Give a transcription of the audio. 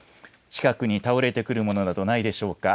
近くに倒れてくるものなどないでしょうか。